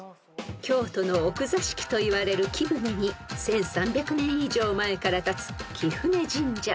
［京都の奥座敷といわれる貴船に１，３００年以上前から立つ貴船神社］